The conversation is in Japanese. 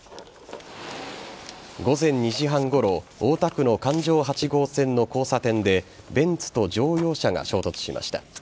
午前２時半ごろ大田区の環状８号線の交差点でベンツと乗用車が衝突しました。